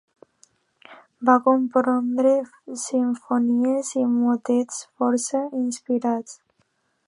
Va compondre simfonies i motets força inspirats.